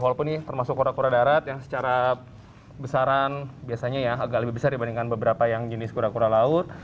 walaupun ini termasuk kura kura darat yang secara besaran biasanya ya agak lebih besar dibandingkan beberapa yang jenis kura kura laut